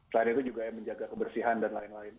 selain itu juga menjaga kebersihan dan lain lain